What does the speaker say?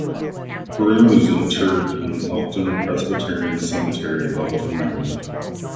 Groome is interred in Elkton Presbyterian Cemetery of Elkton, Maryland.